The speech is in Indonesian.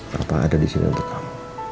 papa ada disini untuk kamu